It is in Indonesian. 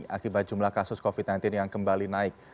akibat jumlah kasus covid sembilan belas yang kembali naik